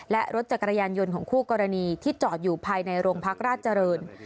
และรถจักรยานยนต์ของคู่กรณีที่จอดอยู่ภายในโรงพักราชเจริญ